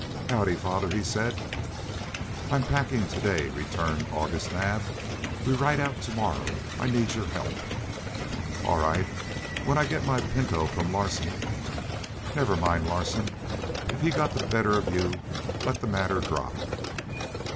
"Howdy, father?" he said. "I'm packing to day," returned August Naab. "We ride out to morrow. I need your help." "All l right. When I get my pinto from Larsen." "Never mind Larsen. If he got the better of you let the matter drop."